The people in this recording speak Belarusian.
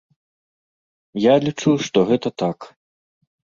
Я лічу, што гэта так.